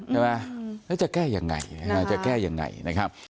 ใช่ไหมอาจจะแก้อย่างไงอาจจะแก้อย่างไงใช่ไหม